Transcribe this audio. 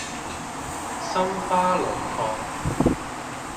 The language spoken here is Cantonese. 心花怒放